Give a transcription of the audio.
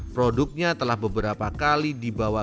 produknya telah beberapa kali dibawa